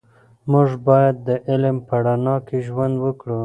موږ باید د علم په رڼا کې ژوند وکړو.